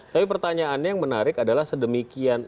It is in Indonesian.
tapi pertanyaannya yang menarik adalah sedemikian